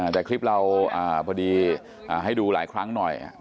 แต่คลิปเราพอดีให้ดูหลายครั้งหน่อย